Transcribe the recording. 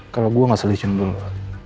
kalau gue gak selisihan dulu